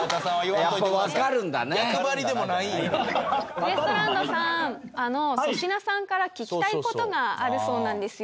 ウエストランドさんあの粗品さんから聞きたい事があるそうなんですよ。